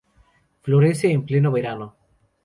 Florece en pleno verano.